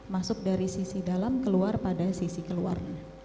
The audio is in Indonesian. masuk dari sisi dalam keluar pada sisi keluar